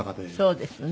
そうですよね。